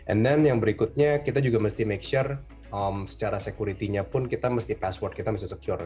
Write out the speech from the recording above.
and then yang berikutnya kita juga mesti make sure secara security nya pun kita mesti password kita mesti secure